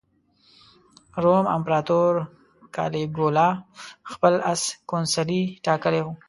روم امپراطور کالیګولا خپل اس کونسلي ټاکلی و.